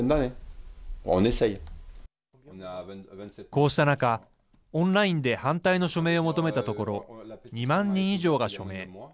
こうした中、オンラインで反対の署名を求めたところ２万人以上が署名。